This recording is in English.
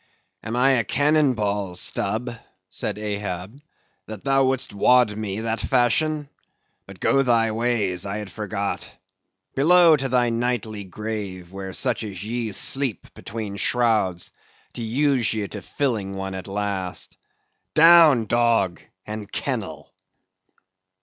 "Am I a cannon ball, Stubb," said Ahab, "that thou wouldst wad me that fashion? But go thy ways; I had forgot. Below to thy nightly grave; where such as ye sleep between shrouds, to use ye to the filling one at last.—Down, dog, and kennel!"